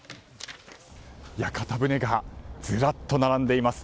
屋形船がずらっと並んでいます。